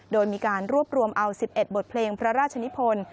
โดยมีการรวบรวมเอา๑๑บทเพลงพระราชนิพล